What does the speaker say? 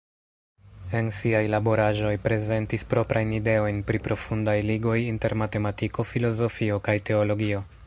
En siaj laboraĵoj prezentis proprajn ideojn pri profundaj ligoj inter matematiko, filozofio kaj teologio.